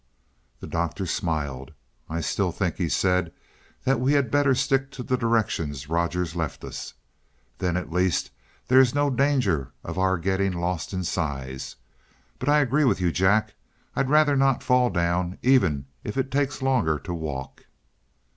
The Doctor smiled. "I still think," he said, "that we had better stick to the directions Rogers left us. Then at least there is no danger of our getting lost in size. But I agree with you, Jack. I'd rather not fall down, even if it takes longer to walk."